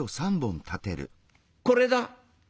これだ」。